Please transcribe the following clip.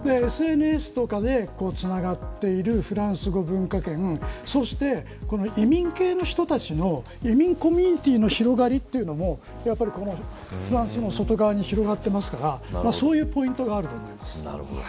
ＳＮＳとかでつながっているフランスの文化圏そして移民系の人たちの移民コミュニティーの広がりというのもフランスの外側に広がっていますからそういうポイントがあると思います。